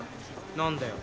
何だよ？